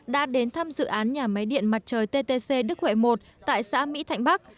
đã đến thăm dự án nhà máy điện mặt trời ttc đức huệ một tại xã mỹ thạnh bắc